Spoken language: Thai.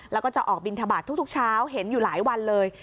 แล้วก็จะออกบินทบาททุกเช้าเห็นอยู่หลายวันเลย